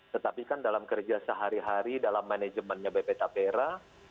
tetapi kan dalam kerja sehari hari dalam manajemennya bp tapera